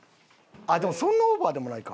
でもそんなオーバーでもないか。